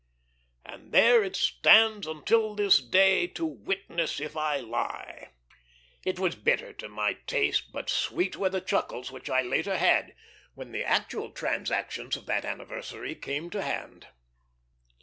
"And there it stands unto this day, To witness if I lie." It was bitter then to my taste; but sweet were the chuckles which I later had, when the actual transactions of that anniversary came to hand.